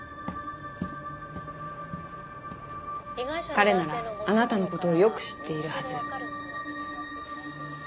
彼ならあなたのことをよく知っているはず。